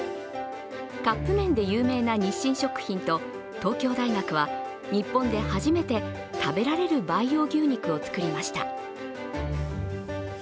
カップ麺で有名な日清食品と東京大学は日本で初めて食べられる培養牛肉を作りました。